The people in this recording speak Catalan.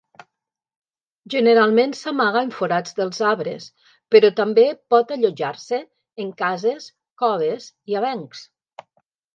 Generalment s'amaga en forats dels arbres, però també pot allotjar-se en cases, coves i avencs.